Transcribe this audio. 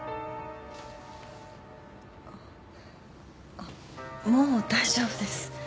あっもう大丈夫です。